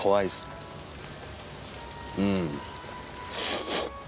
うん。